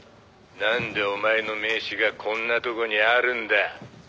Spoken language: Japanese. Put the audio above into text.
「なんでお前の名刺がこんなとこにあるんだ？」